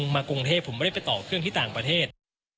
มากรุงเทพผมไม่ได้ไปต่อเครื่องที่ต่างประเทศ